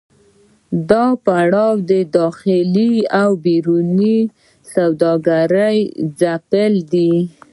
دا پړاو د داخلي او بهرنۍ سوداګرۍ ځپل دي